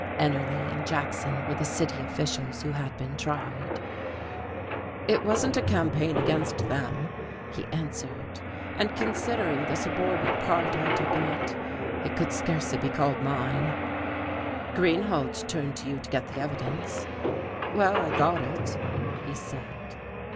Ennerly and Jackson were the city officials who had been tried. "It wasn't a campaign against them," he answered. "And considering the subordinate part I took in it, it could scarcely be called mine." "Greenhalge turned to you to get the evidence." "Well, I got it," he said.